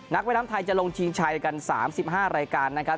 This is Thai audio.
นักวินัมไทยจะลงชีงชัยกัน๓๕รายการนะครับ